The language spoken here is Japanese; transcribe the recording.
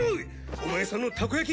お前さんのたこやき